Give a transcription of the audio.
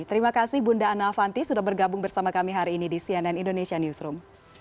terima kasih bunda ana avanti sudah bergabung bersama kami hari ini di cnn indonesia newsroom